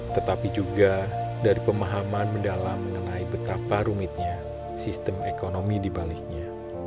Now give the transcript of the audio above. tetapi juga dari pemahaman mendalam mengenai betapa rumitnya sistem ekonomi dibaliknya